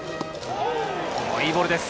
いいボールです。